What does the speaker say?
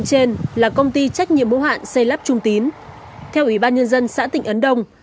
hiện tại công ty trách nhiệm mẫu hạn xây lắp sau kết nối với đơn vị thi công